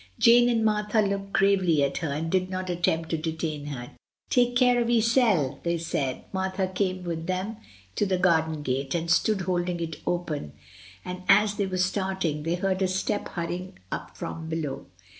Jane and Martha looked gravely at her, and did not attempt to detain her. "Take care of ye'sell," they said. Martha came with them to the garden gate, and stood holding it open, and as they were starting, they heard a step hurrying up from below.